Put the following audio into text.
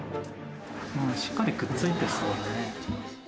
しっかりくっついてそうだね。